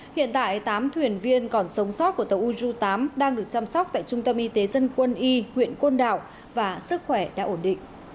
hiện tại tám thuyền viên còn sống sót của tàu uju tám đang được chăm sóc tại trung tâm y tế dân quân y huyện côn đảo và sức khỏe đã ổn định